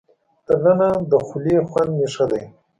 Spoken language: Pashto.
تر ننه د خولې خوند مې ښه دی.